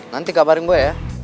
nanti kabarin gue ya